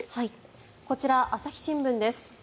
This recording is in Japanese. こちら、朝日新聞です。